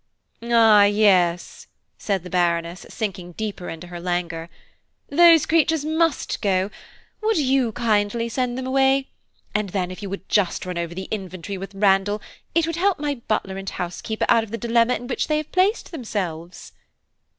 "Ah, yes!" said the Baroness, sinking deeper into her languor, "those creatures must go. Would you kindly send them away? and then if you would just run over the inventory with Randall, it would help my butler and housekeeper out of the dilemma in which they have placed themselves."